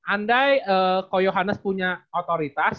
andai ko yohanes punya otoritas